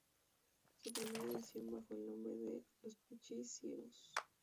Su primera edición, bajo el nombre de "Los Pichy-cyegos.